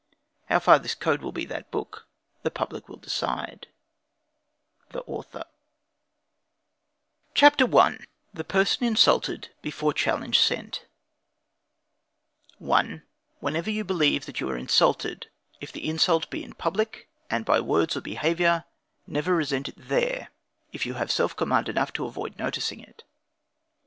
How far this code will be that book, the public will decide. THE AUTHOR RULES FOR PRINCIPALS AND SECONDS IN DUELLING. CHAPTER I. The Person Insulted, Before Challenge Sent 1. Whenever you believe that you are insulted, if the insult be in public and by words or behavior, never resent it there, if you have self command enough to avoid noticing it.